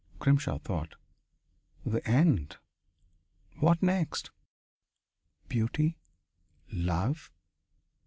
Grimshaw thought: "The end. What next? Beauty. Love.